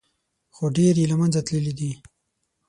خو ډېر یې له منځه تللي دي.